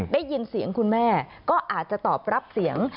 ได้ยินเสียงคุณแม่ก็อาจจะตอบรับเสียง